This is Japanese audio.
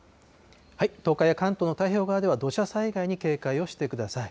東海や関東の太平洋側では、土砂災害に警戒をしてください。